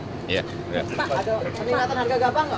pak ada peningkatan harga gabah enggak pak